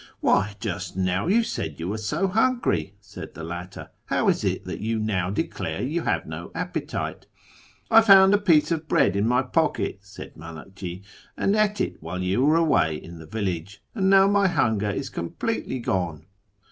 ' Why, just now you said you were so hungry,' said the latter ;' how is it that you now declare you liave no appetite ?' 'I found a piece of bread in my pocket,' said ]\Ianakji, ' and ate it while you were away in the village, and now my hunger is completely gone.'